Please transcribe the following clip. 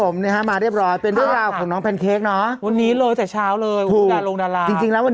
ไม่ผลไม่เป็นไรหรอกหรอกนะครับ